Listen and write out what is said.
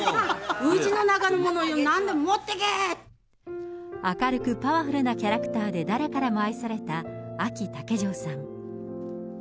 うちの中のものよ、明るくパワフルなキャラクターで、誰からも愛されたあき竹城さん。